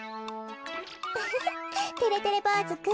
ウフフてれてれぼうずくん。